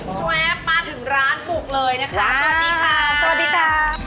สวัสดีค่ะมาถึงร้านปลุกเลยนะคะสวัสดีค่ะ